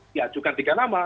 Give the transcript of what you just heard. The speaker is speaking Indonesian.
diajukan tiga nama